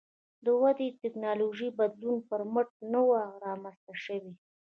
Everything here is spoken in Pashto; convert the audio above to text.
دا وده د ټکنالوژیکي بدلونونو پر مټ نه وه رامنځته شوې